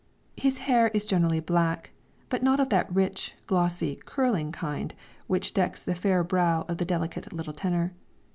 His hair is generally black, but not of that rich, glossy, curling kind, which decks the fair brow of the delicate little tenor.